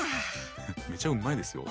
めちゃうまいですよ。